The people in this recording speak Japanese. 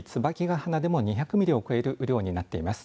鼻でも２００ミリを超える雨量になっています。